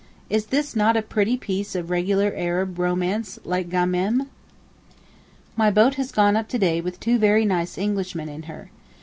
Is it not a pretty piece of regular Arab romance like Ghamem? My boat has gone up to day with two very nice Englishmen in her.